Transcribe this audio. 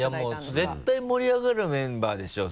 いやもう絶対盛り上がるメンバーでしょ。